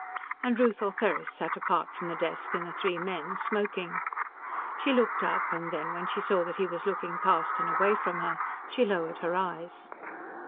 And Ruth Ortheris sat apart from the desk and the three men, smoking. She looked up and then, when she saw that he was looking past and away from her, she lowered her eyes.